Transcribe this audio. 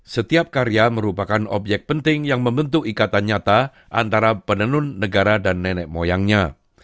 setiap karya merupakan objek penting yang membentuk ikatan nyata antara penenun negara dan nenek moyangnya